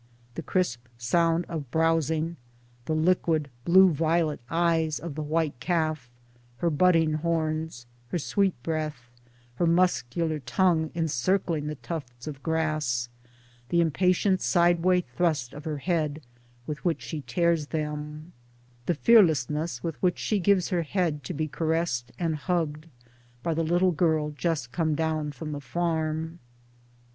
The crisp sound of browsing, the liquid blue violet eyes of the white calf, her budding horns, her sweet breath, her muscular tongue encircling the tufts of grass, the impatient sideway thrust of the head with which she tears them, The fearlessness with which she gives her head to be caressed and hugged by the little girl just come down from the farm.